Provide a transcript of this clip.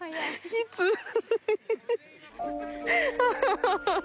ハハハ